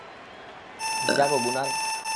জাগো, গুনার।